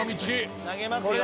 「投げますよ。